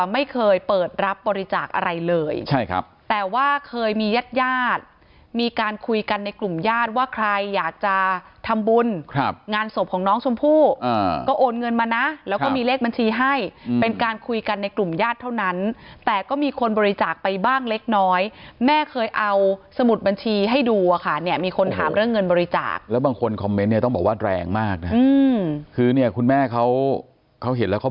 ไม่เคยเปิดรับบริจาคอะไรเลยใช่ครับแต่ว่าเคยมีญาติญาติมีการคุยกันในกลุ่มญาติว่าใครอยากจะทำบุญครับงานศพของน้องชมพู่ก็โอนเงินมานะแล้วก็มีเลขบัญชีให้เป็นการคุยกันในกลุ่มญาติเท่านั้นแต่ก็มีคนบริจาคไปบ้างเล็กน้อยแม่เคยเอาสมุดบัญชีให้ดูอ่ะค่ะเนี่ยมีคนถามเรื่องเงินบริจาคแล้วบางคนค